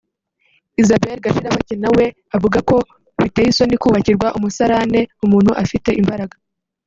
Isabelle Gashirabake na we avuga ko biteye isoni kubakirwa umusarane umuntu afite imbaraga